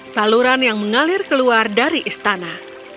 saluran yang mengalir keluar dari istana